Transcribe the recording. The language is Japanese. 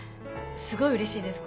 すごいうれしいです。